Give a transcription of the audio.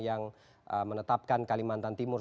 yang menetapkan kalimantan timur